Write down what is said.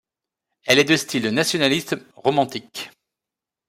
Elle est de style nationaliste romantique.